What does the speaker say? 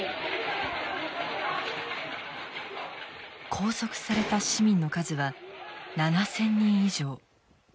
拘束された市民の数は７，０００人以上。